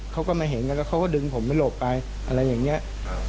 เขาก็มาเห็นแล้วก็เขาก็ดึงผมไปหลบไปอะไรอย่างนี้